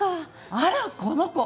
あらこの子。